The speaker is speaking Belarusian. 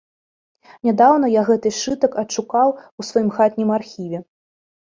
Нядаўна я гэты сшытак адшукаў у сваім хатнім архіве.